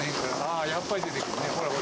あー、やっぱり出てくるね、ほら。